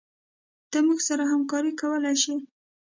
ته موږ سره همکارې کولي شي